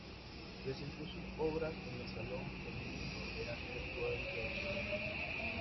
Presentó sus obras en el Salón femenino de arte actual de Barcelona.